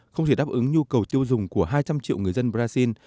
không chỉ đáp ứng nhu cầu tiêu dùng của hai trăm linh triệu người dân brazil